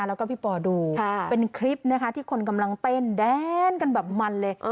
แล้วก็พี่ปอดูเป็นคลิปนะคะที่คนกำลังเต้นแดนกันแบบมันเลย